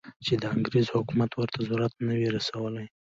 چې د انګریز حکومت ورته ضرر نه وي رسولی.